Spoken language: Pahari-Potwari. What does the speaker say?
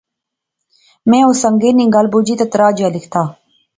میں اس سنگے نی گل بجی تہ تراہ جیا لکھتا